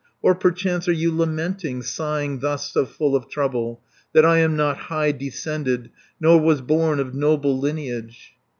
"Or perchance are you lamenting, Sighing thus so full of trouble, That I am not high descended, Nor was born of noble lineage?